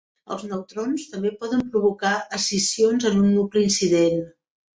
Els neutrons també poden provocar escissions en un nucli incident.